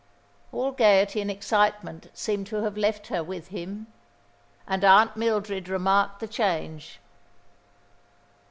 All gaiety and excitement seemed to have left her with him, and Aunt Mildred remarked the change.